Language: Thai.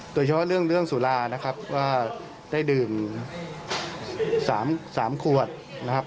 โดยเฉพาะเรื่องสุรานะครับว่าได้ดื่ม๓ขวดนะครับ